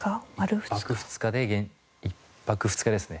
１泊２日で１泊２日ですね